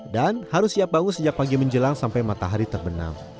dan harus siap bangun sejak pagi menjelang sampai matahari terbenam